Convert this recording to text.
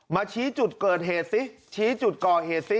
ชี้จุดเกิดเหตุซิชี้จุดก่อเหตุซิ